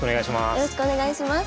よろしくお願いします。